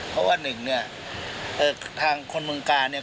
เพราะว่าหนึ่งเนี่ยทางคนเมืองกาลเนี่ย